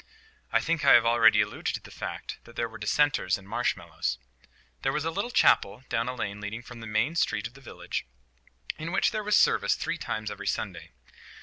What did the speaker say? I think I have already alluded to the fact that there were Dissenters in Marshmallows. There was a little chapel down a lane leading from the main street of the village, in which there was service three times every Sunday.